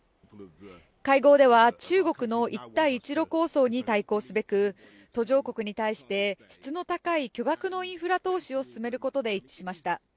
会合では中国の一帯一路構想に対抗すべく途上国に対して質の高い巨額のインフラ投資を進めることで一致しました。